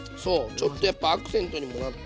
ちょっとやっぱアクセントにもなって。